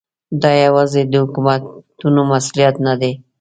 دا یوازې د حکومتونو مسؤلیت نه دی.